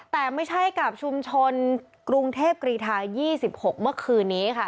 แต่ไม่ใช่กับชุมชนกรุงเทพกรีธา๒๖เมื่อคืนนี้ค่ะ